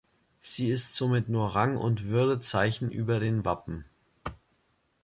Sie ist somit nur Rang- und Würdezeichen über den Wappen.